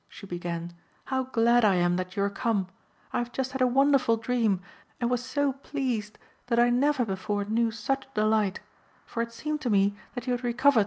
she began, "how glad I am that you are come. I have just had a wonderful dream, and was so pleased that I never before knew such delight, for it seemed to me that you had recovered the sight of your eye."